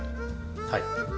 はい。